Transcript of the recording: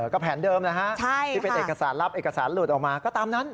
ก็แผนเดิมนะฮะที่เป็นเอกสารรับเอกสารหลุดออกมาก็ตามนั้น